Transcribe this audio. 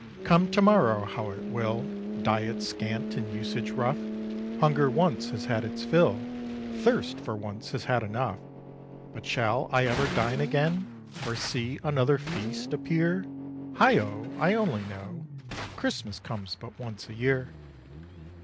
"Come to morrow how it will; Diet scant and usage rough, Hunger once has had its fill, Thirst for once has had enough, But shall I ever dine again? Or see another feast appear? Heigho! I only know Christmas comes but once a year!